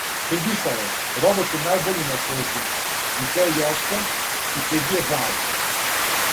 Србиславе, роботе најбољи на свету, и то јоште из Србије брале!